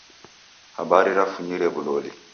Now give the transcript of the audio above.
Habari rafunyire w'uloli.